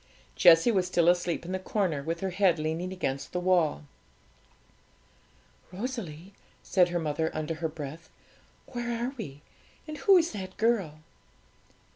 Jessie was still asleep in the corner, with her head leaning against the wall. 'Rosalie,' said her mother, under her breath, 'where are we, and who is that girl?'